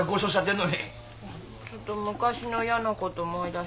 ちょっと昔の嫌なこと思い出して。